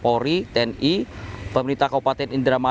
petugas gabungan juga menyiapkan pengamanan di asrama